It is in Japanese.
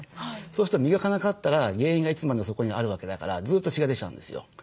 そうすると磨かなかったら原因がいつまでもそこにあるわけだからずっと血が出ちゃうんですよ。